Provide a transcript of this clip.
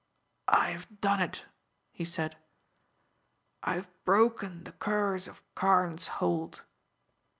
"I have done it," he said. "I have broken the curse of Carne's Hold."